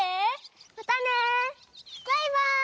バイバーイ！